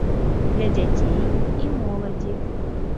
Для дзяцей і моладзі.